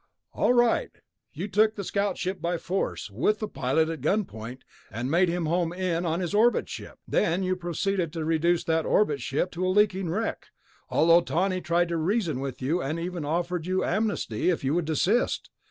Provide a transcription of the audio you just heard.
"All right. You took the scout ship by force, with the pilot at gunpoint, and made him home in on his orbit ship. Then you proceeded to reduce that orbit ship to a leaking wreck, although Tawney tried to reason with you and even offered you amnesty if you would desist.